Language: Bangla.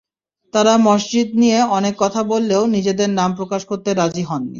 তাঁরা মসজিদ নিয়ে অনেক কথা বললেও নিজেদের নাম প্রকাশ করতে রাজি হননি।